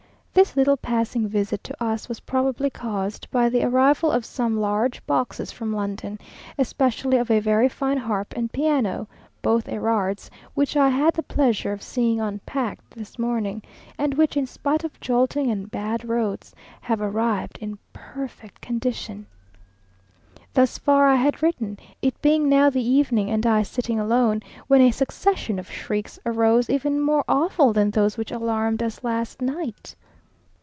This little passing visit to us was probably caused by the arrival of some large boxes from London, especially of a very fine harp and piano, both Erard's, which I had the pleasure of seeing unpacked this morning, and which, in spite of jolting and bad roads, have arrived in perfect condition.... Thus far I had written, it being now the evening, and I sitting alone, when a succession of shrieks arose, even more awful than those which alarmed us last night.